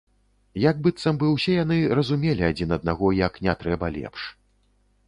Як быццам бы ўсе яны разумелі адзін аднаго як не трэба лепш.